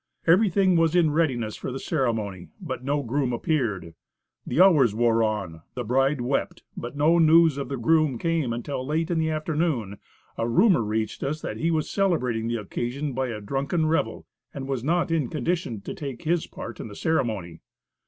Everything was in readiness for the ceremony, but no groom appeared. The hours wore on; the bride wept; but no news of the groom came until late in the afternoon a rumor reached us that he was celebrating the occasion by a drunken revel, and was not in condition to take his part in the ceremony.